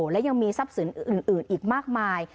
และยังมีทรัพย์สินอื่นอีกมากมาย